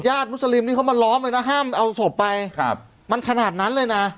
มุสลิมนี่เขามาล้อมเลยนะห้ามเอาศพไปครับมันขนาดนั้นเลยนะ